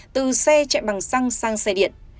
từ xe chạy bằng xăng sang xe điện